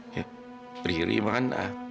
ya riri mana